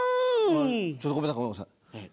ちょっとごめんなさいごめんなさい。